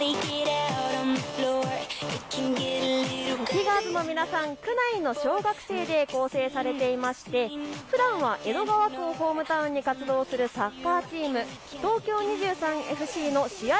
ティガーズの皆さん、区内の小学生で構成されていましてふだんは江戸川区のほうをホームタウンに活動するサッカーチーム、東京２３ＦＣの試合